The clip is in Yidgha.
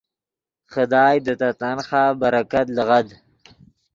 خدائے دے تے تنخواہ برکت لیغد۔